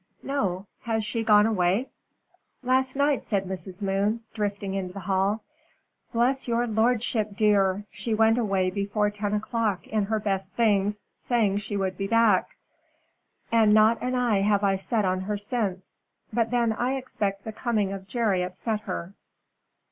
"No. Has she gone away?" "Last night," said Mrs. Moon, drifting into the hall. "Bless your lordship dear, she went away before ten o'clock in her best things, saying she would be back. And not an eye have I set on her since. But then I expect the coming of Jerry upset her."